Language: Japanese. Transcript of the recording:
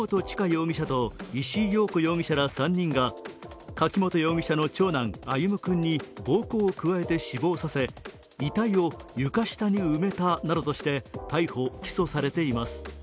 容疑者と石井陽子容疑者ら３人が柿本容疑者の長男、歩夢君に暴行を加えて死亡させ遺体を床下に埋めたなどとして逮捕・起訴されています。